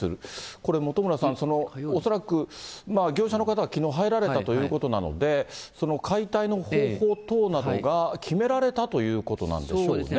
これ、本村さん、恐らく業者の方がきのう入られたということなので、解体の方法等などが決められたということなんでしょうね。